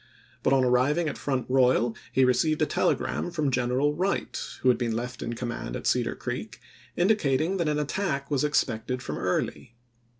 But on arriving at Front Royal he received a telegram from General Wright, who had been left in com mand at Cedar Creek, indicating that an attack was expected from Early.